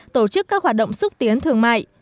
tổ chức các hoạt động xúc tiến thương mại